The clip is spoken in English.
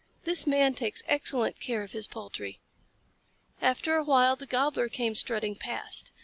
This Man takes excellent care of his poultry." After a while the Gobbler came strutting past.